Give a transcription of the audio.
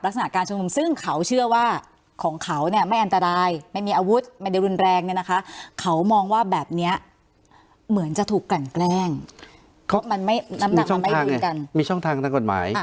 ลักษณะการชุมนุมซึ่งเขาเชื่อว่าของเขาเนี่ยไม่อันตรายไม่มีอาวุธไม่ได้รุนแรงเนี่ยนะคะเขามองว่าแบบนี้เหมือนจะถูกกันแกล้งเพราะมันไม่น้ำหนักมันไม่เหมือนกันมีช่องทางนักกฎหมาย